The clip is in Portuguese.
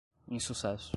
insucesso